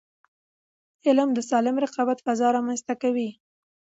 علم د سالم رقابت فضا رامنځته کوي.